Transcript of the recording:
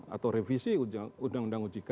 atau revisi undang undang ojk